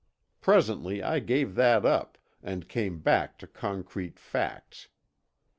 Presently I gave that up, and came back to concrete facts.